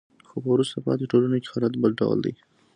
خو په وروسته پاتې ټولنو کې حالت بل ډول دی.